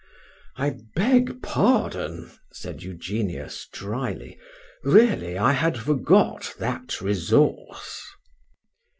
—I beg pardon, said Eugenius drily: really I had forgot that resource.